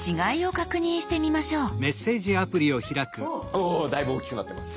おだいぶおっきくなってます。